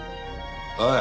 おい！